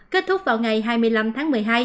kết thúc vào ngày hai mươi năm tháng một mươi hai